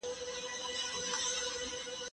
زه له سهاره سبزیجات وچوم،